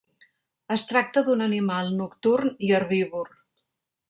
Es tracta d'un animal nocturn i herbívor.